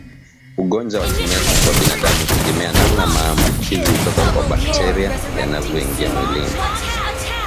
Ugonjwa wa kimeta kwa binadamu hutegemea namna maambukizi kutoka kwa bakteria yanavyoingia mwilini